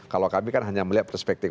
kalau kami kan hanya melihat perspektif